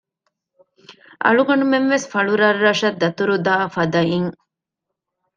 އަޅުގަނޑުމެންވެސް ފަޅުރަށްރަށަށް ދަތުރުދާ ފަދައިން